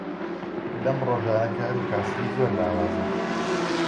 لەم ڕۆژانە کاروکاسبی زۆر لاوازە.